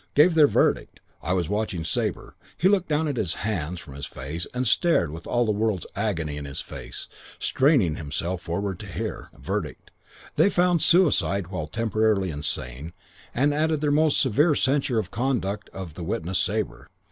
Gave their verdict. I was watching Sabre. He took down his hands from his face and stared with all the world's agony in his face, straining himself forward to hear. Verdict. They found suicide while temporarily insane and added their most severe censure of the conduct of the witness Sabre.